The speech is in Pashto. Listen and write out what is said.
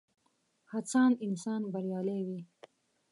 هڅاند انسان بريالی وي.